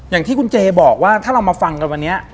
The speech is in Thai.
อย่างที่คุณเจบอกว่าถ้าเรามาฟังกันวันนี้